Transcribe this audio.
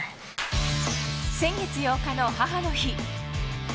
先月８日の母の日。